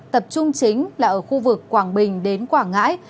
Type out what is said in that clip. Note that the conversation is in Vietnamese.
tập trung chính là ở khu vực quảng bình đến quảng ngãi